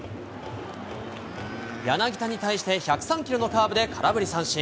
柳田に対して、１０３キロのカーブで空振り三振。